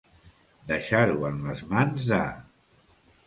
Deixar-ho en les mans de.